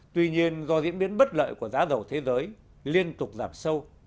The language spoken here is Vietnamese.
tuy nhiên do diễn biến bất lợi của giá dầu thế giới liên tục giảm sâu